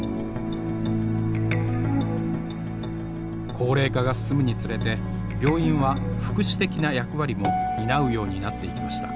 高齢化が進むにつれて病院は福祉的な役割も担うようになっていきました。